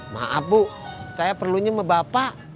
maaf bu saya perlunya sama bapak